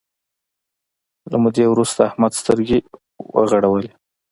له مودې وروسته احمد سترګې وغړولې.